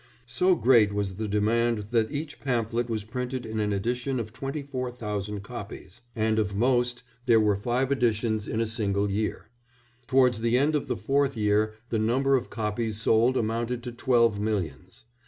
So great was the demand that each pamphlet was printed in an edition of twenty four thousand copies, and of most there were five editions in a single year; towards the end of the fourth year the number of copies sold amounted to twelve millions.